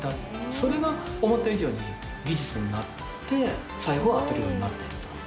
それが思った以上に、技術になって、最後は当てられるようになったと。